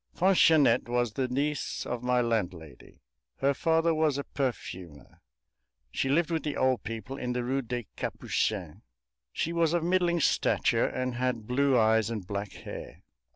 Fanchonette was the niece of my landlady; her father was a perfumer; she lived with the old people in the Rue des Capucins. She was of middling stature and had blue eyes and black hair.